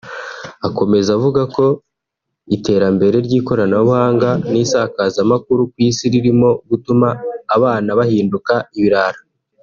Akomeza avuga ko iterambere ry’ikoranabuhanga n’isakazamakuru ku isi ririmo gutuma abana bahinduka ibirara